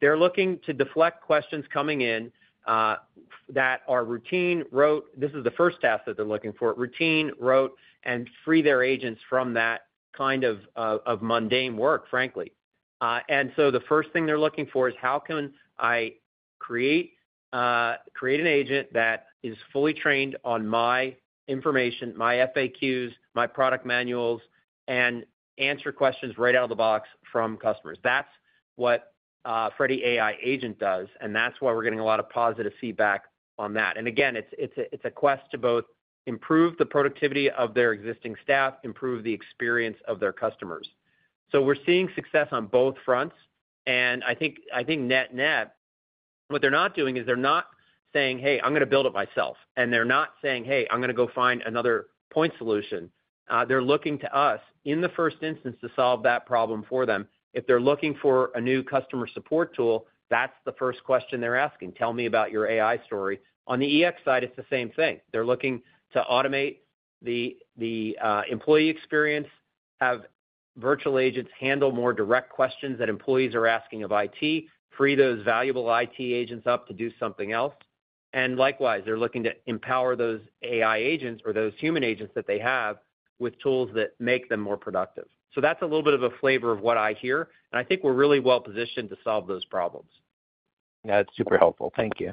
they're looking to deflect questions coming in that are routine, rote. This is the first task that they're looking for: routine, rote, and free their agents from that kind of mundane work, frankly, and again, it's a quest to both improve the productivity of their existing staff, improve the experience of their customers, so we're seeing success on both fronts. I think net-net, what they're not doing is they're not saying, "Hey, I'm going to build it myself," and they're not saying, "Hey, I'm going to go find another point solution." They're looking to us in the first instance to solve that problem for them. If they're looking for a new customer support tool, that's the first question they're asking. "Tell me about your AI story." On the EX side, it's the same thing. They're looking to automate the employee experience, have virtual agents handle more direct questions that employees are asking of IT, free those valuable IT agents up to do something else. And likewise, they're looking to empower those AI agents or those human agents that they have with tools that make them more productive. That's a little bit of a flavor of what I hear, and I think we're really well-positioned to solve those problems. Yeah. That's super helpful. Thank you.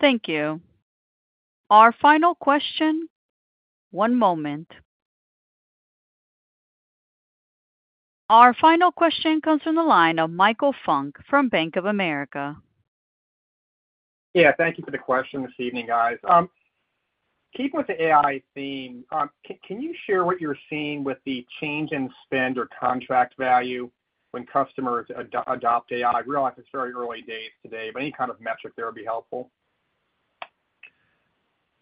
Thank you. Our final question. One moment. Our final question comes from the line of Michael Funk from Bank of America. Yeah. Thank you for the question this evening, guys. Keeping with the AI theme, can you share what you're seeing with the change in spend or contract value when customers adopt AI? I realize it's very early days today, but any kind of metric there would be helpful.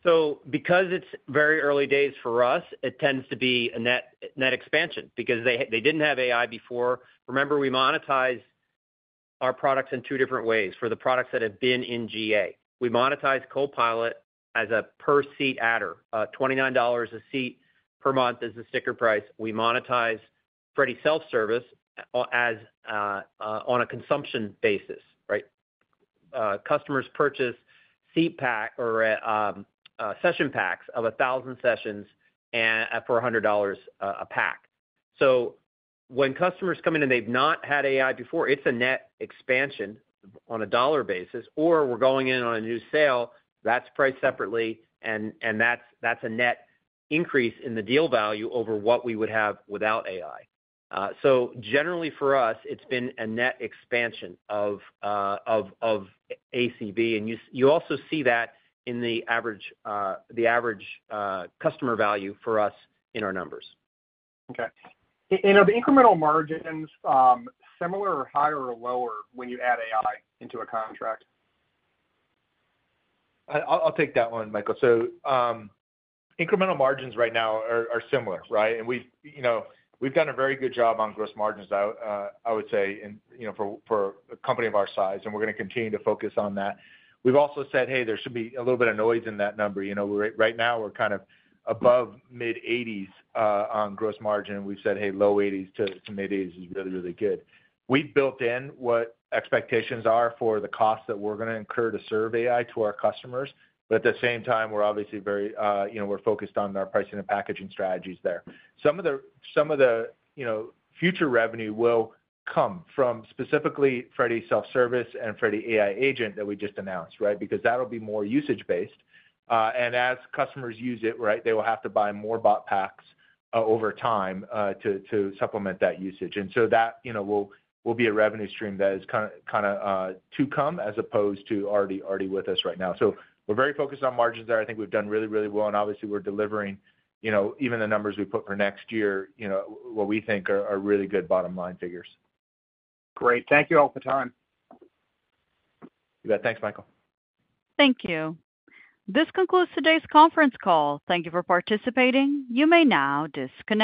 So because it's very early days for us, it tends to be a net expansion because they didn't have AI before. Remember, we monetize our products in two different ways for the products that have been in GA. We monetize Copilot as a per-seat adder, $29 a seat per month is the sticker price. We monetize Freddy Self-Service on a consumption basis, right? Customers purchase seat pack or session packs of 1,000 sessions for $100 a pack. So when customers come in and they've not had AI before, it's a net expansion on a dollar basis, or we're going in on a new sale, that's priced separately, and that's a net increase in the deal value over what we would have without AI. So generally, for us, it's been a net expansion of ACV, and you also see that in the average customer value for us in our numbers. Okay. And are the incremental margins similar or higher or lower when you add AI into a contract? I'll take that one, Michael. So incremental margins right now are similar, right? And we've done a very good job on gross margins, I would say, for a company of our size, and we're going to continue to focus on that. We've also said, "Hey, there should be a little bit of noise in that number." Right now, we're kind of above mid-80s% on gross margin. We've said, "Hey, low 80s% to mid-80s% is really, really good." We've built in what expectations are for the cost that we're going to incur to serve AI to our customers. But at the same time, we're obviously very focused on our pricing and packaging strategies there. Some of the future revenue will come from specifically Freddy Self-Service and Freddy AI Agent that we just announced, right? Because that'll be more usage-based. And as customers use it, right, they will have to buy more bot packs over time to supplement that usage. And so that will be a revenue stream that is kind of to come as opposed to already with us right now. So we're very focused on margins there. I think we've done really, really well. And obviously, we're delivering even the numbers we put for next year, what we think are really good bottom-line figures. Great. Thank you all for the time. You bet. Thanks, Michael. Thank you. This concludes today's conference call. Thank you for participating. You may now disconnect.